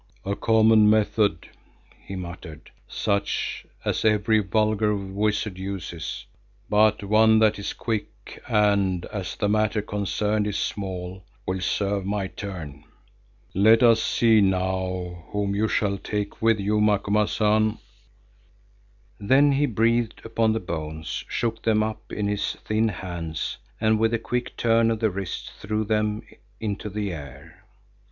"A common method," he muttered, "such as every vulgar wizard uses, but one that is quick and, as the matter concerned is small, will serve my turn. Let us see now, whom you shall take with you, Macumazahn." Then he breathed upon the bones, shook them up in his thin hands and with a quick turn of the wrist, threw them into the air.